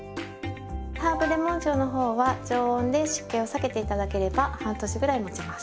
ハーブレモン塩の方は常温で湿気を避けて頂ければ半年ぐらいもちます。